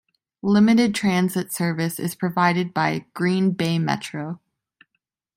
Limited transit service is provided by Green Bay Metro.